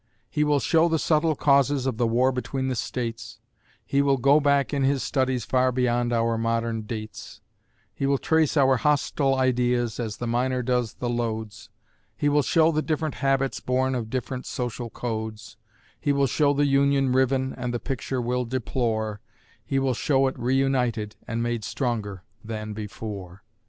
He will show the subtle causes of the war between the States, He will go back in his studies far beyond our modern dates, He will trace our hostile ideas as the miner does the lodes, He will show the different habits born of different social codes, He will show the Union riven, and the picture will deplore, He will show it re united and made stronger than before.